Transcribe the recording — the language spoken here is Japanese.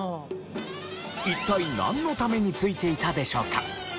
一体なんのためについていたでしょうか？